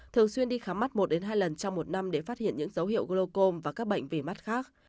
thường xuyên đi khám mắt một hai lần trong một năm để phát hiện những dấu hiệu glocom và các bệnh về mắt khác